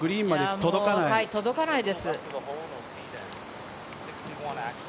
届かないです。